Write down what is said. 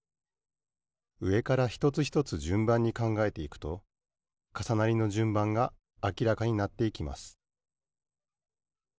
うえからひとつひとつじゅんばんにかんがえていくとかさなりのじゅんばんがあきらかになっていきます